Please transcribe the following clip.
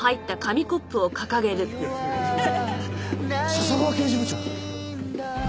笹川刑事部長！？